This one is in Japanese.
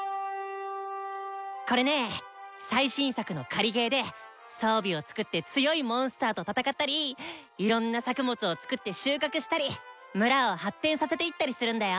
これね最新作の狩りゲーで装備を作って強いモンスターと戦ったりいろんな作物を作って収穫したり村を発展させていったりするんだよ。